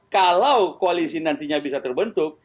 kalau koalisi nantinya bisa terbentuk